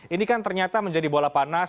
ini kan ternyata menjadi bola panas